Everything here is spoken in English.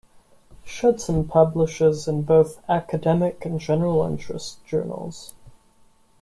Schudson publishes in both academic and general-interest journals.